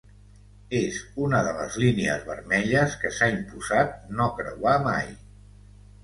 És una de les línies vermelles que s'ha imposat no creuar mai.